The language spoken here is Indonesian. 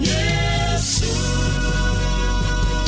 kau tetap pada salib